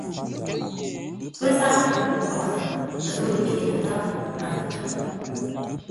Pə́ záa mboŋə́ zâp ə́ zə̂u yi pye tə nzáa naatə́ tsuŋə́ poŋ.